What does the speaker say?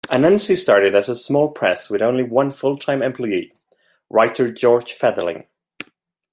Anansi started as a small press with only one full-time employee, writer George Fetherling.